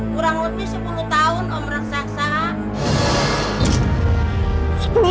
kurang lebih sepuluh tahun om reksa reksa